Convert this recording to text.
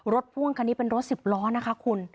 พ่วงคันนี้เป็นรถสิบล้อนะคะคุณ